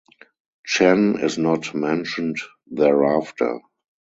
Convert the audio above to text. Chen is not mentioned thereafter.